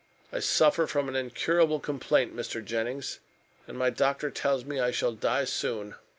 I suffer from an incurable complaint, Mr. Jennings, and my doctor tells me I shall die soon."